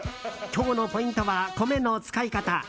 今日のポイントは米の使い方。